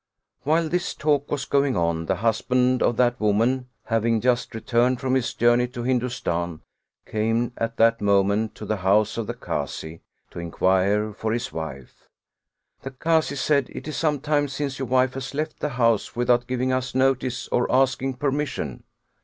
While this talk was going on the husband of that woman, having just returned from his journey to Hindustan, came at that moment to the house of the Kazi to inquire for his wife. The Kazi said: " It is some time since your wife has left the house without giving us notice or asking per mission."